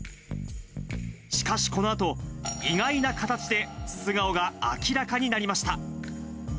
しかし、このあと、意外な形で素顔が明らかになりました。